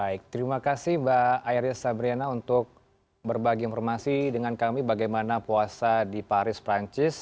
baik terima kasih mbak iris sabriana untuk berbagi informasi dengan kami bagaimana puasa di paris perancis